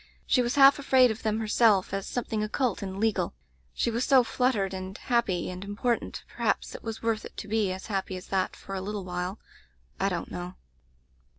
She was half afraid of them herself, as some thing occult and legal. She was so fluttered and happy and important — ^perhaps it was worth it to be as happy as that for a litde while. I don't know.